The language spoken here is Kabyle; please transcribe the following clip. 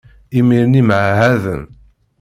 imir-nni mɛahaden.